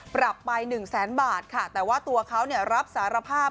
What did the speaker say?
ปรับไป๑๐๐๐๐๐บาทแต่ว่าตัวเขารับสารภาพ